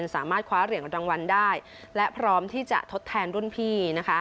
สามารถคว้าเหรียญรางวัลได้และพร้อมที่จะทดแทนรุ่นพี่นะคะ